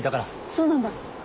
そうなんだ。